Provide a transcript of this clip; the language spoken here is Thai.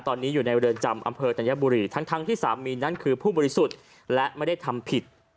ตอนนี้อยู่ในเรือนจำอำเภอธัญบุรีทั้งที่สามีนั้นคือผู้บริสุทธิ์และไม่ได้ทำผิด